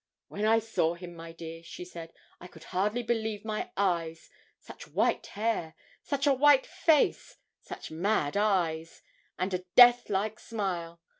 'When I saw him, my dear,' she said, 'I could hardly believe my eyes; such white hair such a white face such mad eyes such a death like smile.